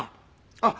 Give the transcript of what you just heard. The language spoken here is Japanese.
あっ。